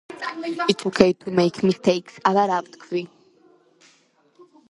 ადმინისტრაციული ცენტრია ქალაქი ისპაანი.